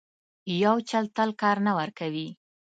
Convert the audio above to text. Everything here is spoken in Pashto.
یو چل تل کار نه ورکوي.